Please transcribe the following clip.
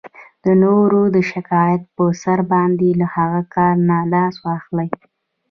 د نورو د شکایت په سر باید له هغه کار نه لاس واخلئ.